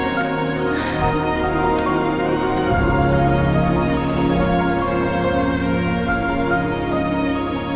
aku yang sudah salah mendidik dia ya allah